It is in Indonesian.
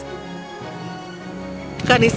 dan menjalani latihan keras